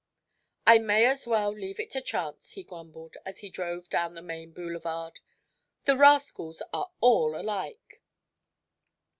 "I may as well leave it to chance," he grumbled, as he drove down the main boulevard. "The rascals are all alike!"